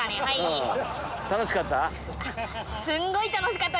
楽しかった？